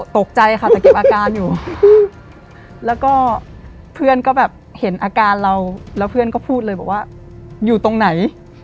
ตกใจค่ะแต่เก็บอาการอยู่แล้วก็เพื่อนก็แบบเห็นอาการเราแล้วเพื่อนก็พูดเลยบอกว่าอยู่ตรงไหน